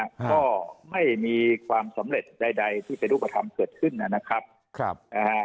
ก็ไม่มีความสำเร็จใดที่ปฏิรูปธรรมเกิดขึ้นนะครับ